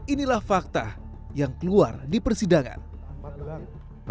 inilah fakta yang keluar di persidangan sampai sekarang juga enggak enggak pernah